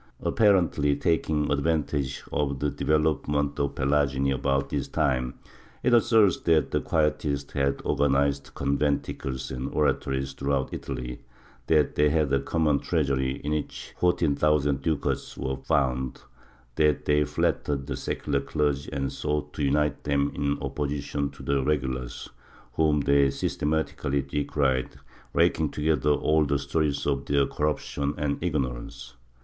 Appar ently taking advantage of the development of the Pelagini about this time, it asserts that the Quietists had organized conventicles and oratories throughout Italy; that they had a common treasury in which 14,000 ducats were found; that they flattered the secular clergy and sought to unite them in opposition to the regulars, whom they systematically decried, raking together all the stories of their corruption and ignorance.